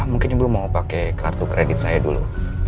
mungkin belum mau pakai kartu kredit saya dulu